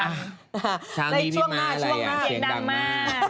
และอีกช่วงหน้าช่วงหน้าอะไรอย่างเสียงดังมาก